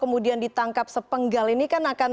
kemudian ditangkap sepenggal ini kan akan